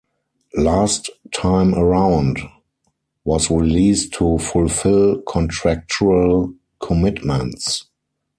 "Last Time Around" was released to fulfill contractual commitments.